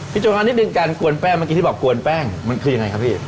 โจรมานิดนึงการกวนแป้งเมื่อกี้ที่บอกกวนแป้งมันคือยังไงครับพี่